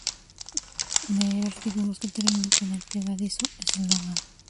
leer artículos que terminan con el pegadizo eslogan